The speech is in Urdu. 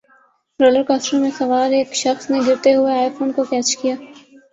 رولر کوسٹرمیں سوار ایک شخص نے گرتے ہوئے آئی فون کو کیچ کیا